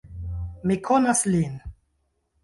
Mi konas lin!